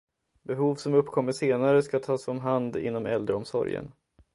Behov som uppkommer senare ska tas om hand inom äldreomsorgen.